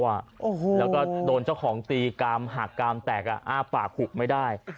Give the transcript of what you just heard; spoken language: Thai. แล้วก็โดนเจ้าของตีกามหักกามแตกอ้าปากหุบไม่ได้